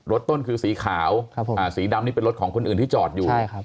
รถต้นคือสีขาวสีดำนี่เป็นรถของคนอื่นที่จอดอยู่